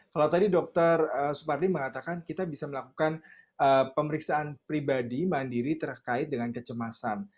kalau tadi dokter supardi mengatakan kita bisa melakukan pemeriksaan pribadi mandiri terkait dengan kecemasan